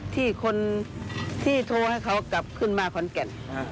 ที่คนที่โทรให้เขากลับขึ้นมาขอนแก่น